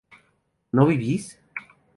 ¿no vivís?